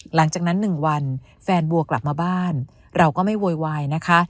หลังจากนั้น๑วันแฟนบัวกลับมาบ้านเราก็ไม่โวยวายนะคะ